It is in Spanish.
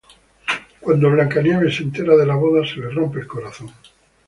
Cuando Blancanieves se entera de la boda, se le rompe el corazón.